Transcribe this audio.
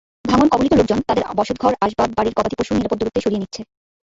ভাঙনকবলিত লোকজন তাদের বসতঘর, আসবাব, বাড়ির গবাদিপশু নিরাপদ দূরত্বে সরিয়ে নিচ্ছে।